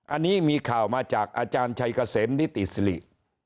อันนี้มีข่าวมาจากอาจารย์ชัยเกษมนิติสิริ